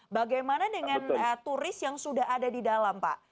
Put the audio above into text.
bagaimana dengan turis yang sudah ada di dalam pak